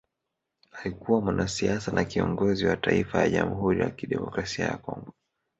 Alikuwa mwanasiasa na kiongozi wa Taifa la Jamhuri ya kidemokrasia ya Kongo